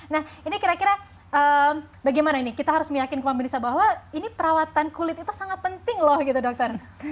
nah ini kira kira bagaimana ini kita harus meyakin ke pemirsa bahwa ini perawatan kulit itu sangat penting loh gitu dokter